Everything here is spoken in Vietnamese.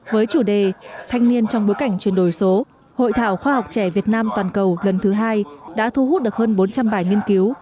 với chủ đề thanh niên trong bối cảnh chuyển đổi số hội thảo khoa học trẻ việt nam toàn cầu lần thứ hai đã thu hút được hơn bốn trăm linh bài nghiên cứu